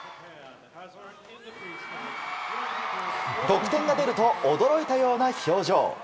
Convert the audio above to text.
得点が出ると、驚いたような表情。